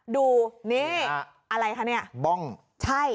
ดูนี่อะไรคะนี่